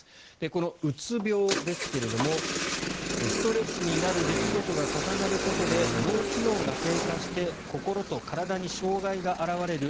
このうつ病ですがストレスになる出来事が重なることで脳機能が低下して心と体に障害が表れる